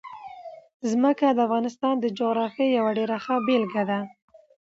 ځمکه د افغانستان د جغرافیې یوه ډېره ښه بېلګه ده.